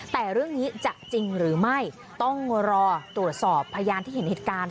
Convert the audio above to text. แต่เรื่องนี้จะจริงหรือไม่ต้องรอตรวจสอบพยานที่เห็นเหตุการณ์